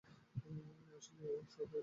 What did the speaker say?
আসলে সবই এক ও ভিন্ন।